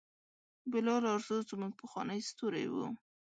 بلال ارزو زموږ پخوانی ستوری و.